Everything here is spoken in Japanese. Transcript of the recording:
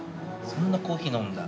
そんなコーヒー飲むんだ。